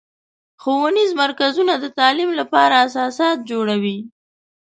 ښوونیز مرکزونه د تعلیم لپاره اساسات جوړوي.